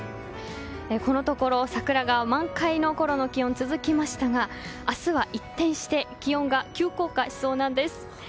このところ桜が満開のころの気温が続きましたが明日は一転して気温が急降下しそうなんです。